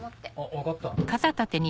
分かった。